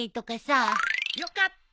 よかった。